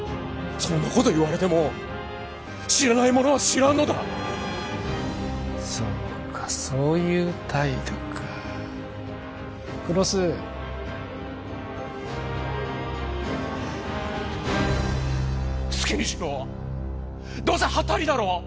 そんなこと言われても知らないものは知らんのだそうかそういう態度か黒須好きにしろどうせハッタリだろ？